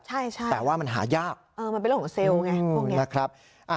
ใช่แต่ว่ามันหายากเออมันเป็นเรื่องของเซลล์ไงพวกเนี่ย